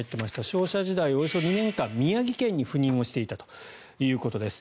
商社時代およそ２年間宮城県に赴任をしていたということです。